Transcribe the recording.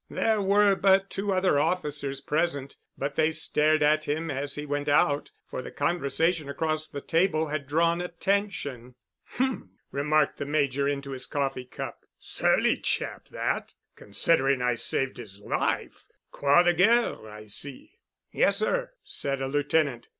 There were but two other officers present, but they stared at him as he went out, for the conversation across the table had drawn attention. "H m," remarked the Major into his coffee cup. "Surly chap that. Considering I saved his life—Croix de Guerre, I see?" "Yes sir," said a Lieutenant.